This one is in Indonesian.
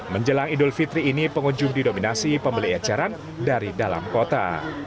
menjelang idul fitri ini pengunjung didominasi pembeli eceran dari dalam kota